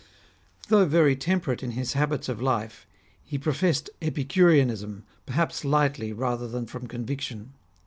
Though very temperate in his habits of life, he pro fessed Epicureanism, perhaps lightly rather than from conviction.